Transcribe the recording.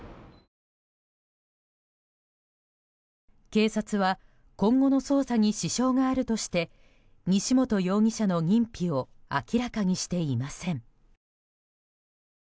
警察は今後の捜査に支障があるとして西本容疑者の認否を明らかにしていません。